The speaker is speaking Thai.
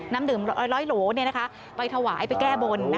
น้ำดื่ม๑๐๐โหลไปถวายไปแก้บน